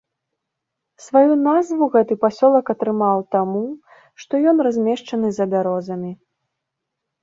Сваю назву гэты пасёлак атрымаў таму, што ён размешчаны за бярозамі.